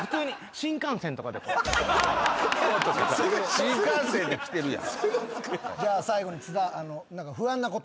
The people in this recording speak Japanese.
新幹線で来てるやん。